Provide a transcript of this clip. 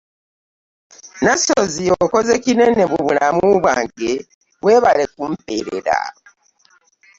Nassozi okoze kinene mu bulamu bwange, weebale kumpeerera.